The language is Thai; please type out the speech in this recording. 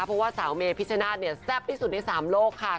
เพราะว่าสาวเมพิชชนาธิเนี่ยแซ่บที่สุดใน๓โลกค่ะ